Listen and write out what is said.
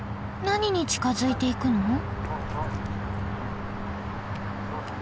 何に近づいていくの？